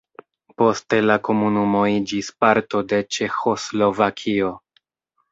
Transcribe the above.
Poste la komunumo iĝis parto de Ĉeĥoslovakio.